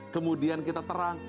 kemudian kita terang